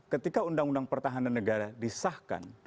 dua ribu dua ketika undang undang pertahanan negara disahkan